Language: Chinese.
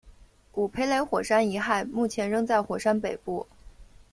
古培雷火山遗骸目前仍在火山北部。